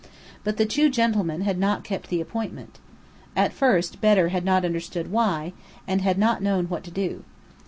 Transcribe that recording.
But the two gentlemen had not kept the appointment. At first, Bedr had not understood why, and had not known what to do.